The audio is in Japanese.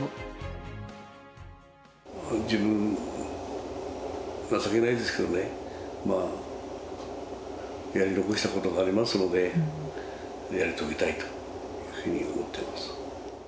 自分、情けないですけどね、やり残したことがありますので、やり遂げたいというふうに思ってます。